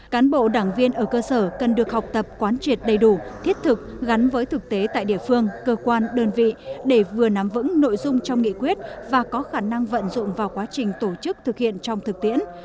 cán bộ đảng viên ở cơ sở cần được học tập quán triệt đầy đủ thiết thực gắn với thực tế tại địa phương cơ quan đơn vị để vừa nắm vững nội dung trong nghị quyết và có khả năng vận dụng vào quá trình tổ chức thực hiện trong thực tiễn